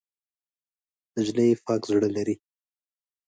نجلۍ پاک زړه لري.